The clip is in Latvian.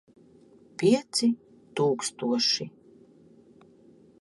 Pieci tūkstoši.